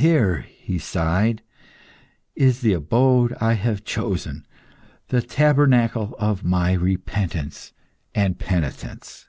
"Here," he sighed, "is the abode I have chosen; the tabernacle of my repentance and penitence."